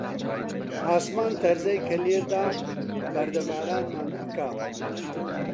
ئاسمان تەرزەی کە لێدا، بەردەبارانمان ئەکا